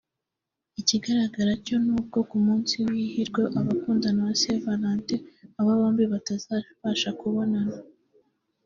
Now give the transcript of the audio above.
Ikigaragara cyo n’ubwo ku munsi wahriwe abakundana wa Saint Valentin aba bombi batazabasha kubonana